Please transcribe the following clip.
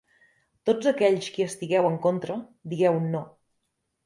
Tots aquells qui estigueu en contra, digueu No.